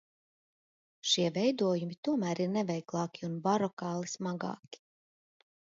Šie veidojumi tomēr ir neveiklāki un barokāli smagāki.